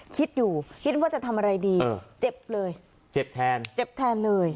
คิดอยู่คิดว่าจะทำอะไรดีเจ็บเลยเจ็บแทนเจ็บแทนเลย